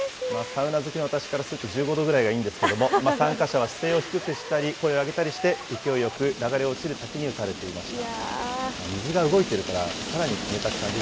サウナ好きの私からすると、１５度ぐらいがいいんですけれども、参加者は姿勢を低くしたり、声を上げたりして、勢いよく流れ落ちる滝に打たれていました。